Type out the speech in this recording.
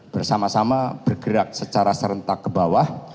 bersama sama bergerak secara serentak ke bawah